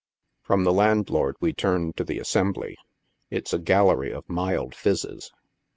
From the landlord we turn to the assembly. It's a gallery of mild phizes.